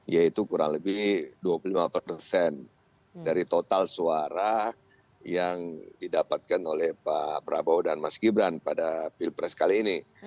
yaitu kurang lebih dua puluh lima persen dari total suara yang didapatkan oleh pak prabowo dan mas gibran pada pilpres kali ini